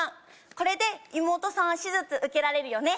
これで妹さん手術受けられるよね？